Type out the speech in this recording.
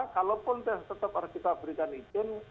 kalaupun tes tetap harus kita berikan izin